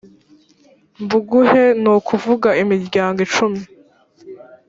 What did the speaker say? mbuguhe ni ukuvuga imiryango icumi